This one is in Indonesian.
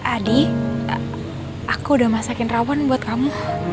adi aku udah masakin rawon buat kamu